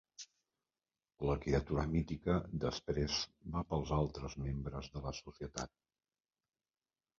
La criatura mítica després va pels altres membres de la societat.